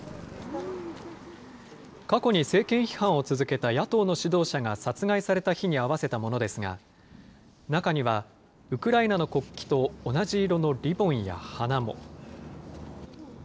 過去に政権批判を続けた野党の指導者が殺害された日に合わせたものですが、中にはウクライナの国旗と同じ色のリボンや花も。